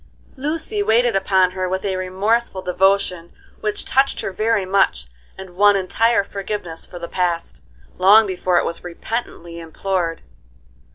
Lucy waited upon her with a remorseful devotion which touched her very much and won entire forgiveness for the past, long before it was repentantly implored.